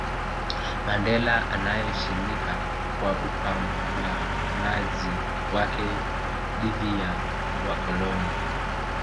Mandela anaheshimika kwa upambanaji wake dhidi ya wakoloni